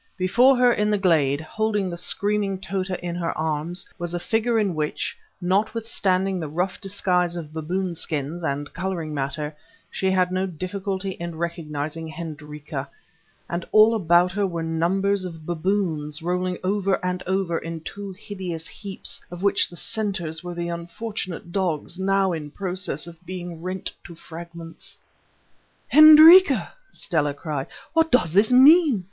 Before her in the glade, holding the screaming Tota in her arms, was a figure in which, notwithstanding the rough disguise of baboon skins and colouring matter, she had no difficulty in recognizing Hendrika, and all about her were numbers of baboons, rolling over and over in two hideous heaps, of which the centres were the unfortunate dogs now in process of being rent to fragments. "Hendrika," Stella cried, "what does this mean?